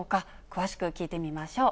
詳しく聞いてみましょう。